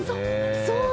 そう！